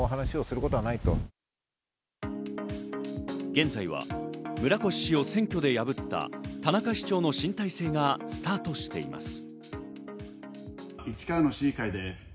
現在は、村越氏を選挙で破った田中市長の新体制がスタートしています。